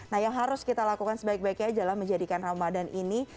nah yang harus kita lakukan sebaik baiknya adalah menjadikan ramadan ini